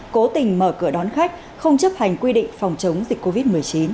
cố tình mở cửa đón khách không chấp hành quy định phòng chống dịch covid một mươi chín